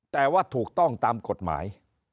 แต่ว่าถูกต้องตามกฎหมาย